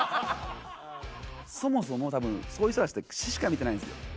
そもそもそういう人たちって詞しか見てないんですよ。